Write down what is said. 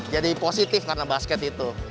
jadi positif karena basket itu